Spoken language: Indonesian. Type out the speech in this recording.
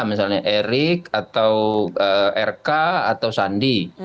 misalnya erik atau rk atau sandi